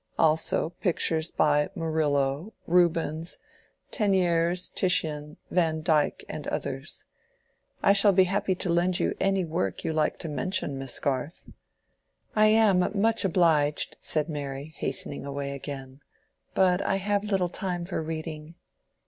Also pictures by Murillo, Rubens, Teniers, Titian, Vandyck, and others. I shall be happy to lend you any work you like to mention, Miss Garth." "I am much obliged," said Mary, hastening away again, "but I have little time for reading."